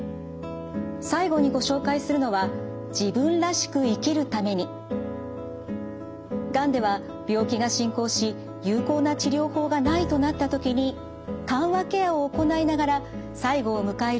最後にご紹介するのはがんでは病気が進行し有効な治療法がないとなった時に緩和ケアを行いながら最期を迎えるケースがあります。